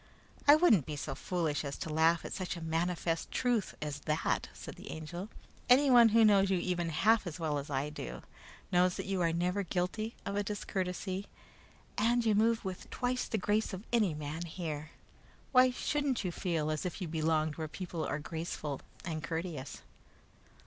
"I wouldn't be so foolish as to laugh at such a manifest truth as that," said the Angel. "Anyone who knows you even half as well as I do, knows that you are never guilty of a discourtesy, and you move with twice the grace of any man here. Why shouldn't you feel as if you belonged where people are graceful and courteous?"